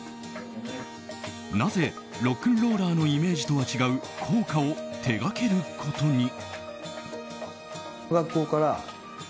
なぜロックンローラーのイメージとは違う校歌を手がけることに？